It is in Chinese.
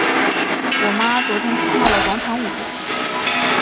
我妈昨天去了跳广场舞。